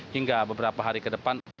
hingga beberapa hari ke depan